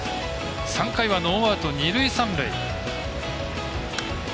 ３回はノーアウト、二塁三塁。